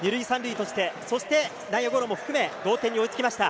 そして、内野ゴロも含め同点に追いつきました。